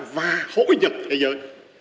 và hỗ nhập thế giới